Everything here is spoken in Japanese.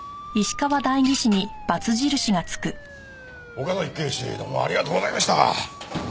岡崎警視どうもありがとうございました。